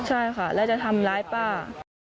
ใช่ค่ะแล้วจะทำร้ายป้า